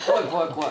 怖い！